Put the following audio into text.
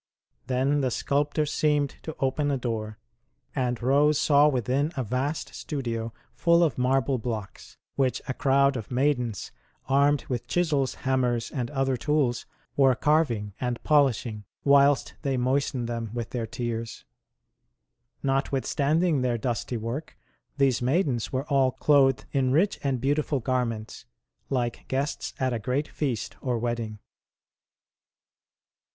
Then the Sculptor seemed to open a door, and Rose saw within a vast studio, full of marble blocks, which a crowd of maidens, armed with chisels, hammers, and other tools, were carving and polishing, whilst they moistened them with i6o ST. ROSE OF LIMA their tears. Notwithstanding their dusty work, these maidens were all clothed in rich and beautiful garments, like guests at a great feast or wedding.